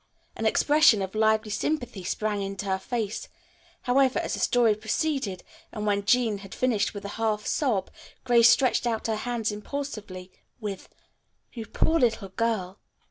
An expression of lively sympathy sprang into her face, however, as the story proceeded, and when Jean had finished with a half sob, Grace stretched out her hands impulsively with, "You poor little girl."